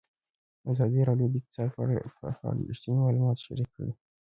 ازادي راډیو د اقتصاد په اړه رښتیني معلومات شریک کړي.